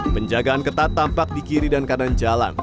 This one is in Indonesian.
penjagaan ketat tampak di kiri dan kanan jalan